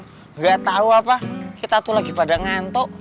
orang orang gak tau apa kita tuh lagi pada ngantuk